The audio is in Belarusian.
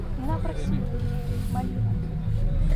Яна прасіла іх, маліла.